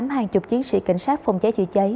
hàng chục chiến sĩ cảnh sát phòng cháy chữa cháy